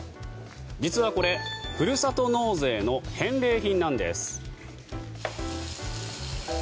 実はこれふるさと納税の返礼品なんです。